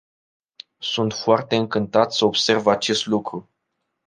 Sunt foarte încântat să observ acest lucru.